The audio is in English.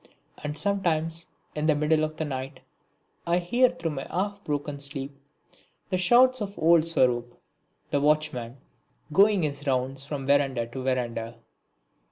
And sometimes, in the middle of the night, I hear through my half broken sleep the shouts of old Swarup, the watchman, going his rounds from verandah to verandah.